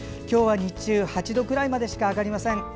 今日は日中８度くらいまでしか上がりません。